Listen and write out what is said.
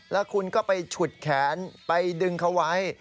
แล้วคุณก็ไปฉุดแขนไปดึงเขาไว้